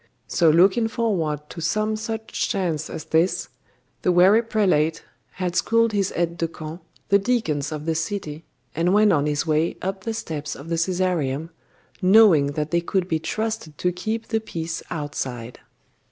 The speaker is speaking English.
So looking forward to some such chance as this, the wary prelate had schooled his aides de camp, the deacons of the city, and went on his way up the steps of the Caesareum, knowing that they could be trusted to keep the peace outside.